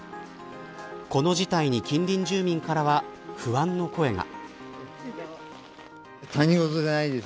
この事態に、近隣住民からは不安の声が。